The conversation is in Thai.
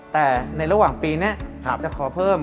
แต่ในระหว่างปีนี้จะขอเพิ่ม